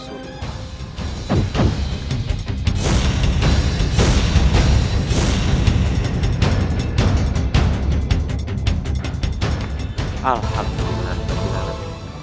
sialatul halab delapan puluh lima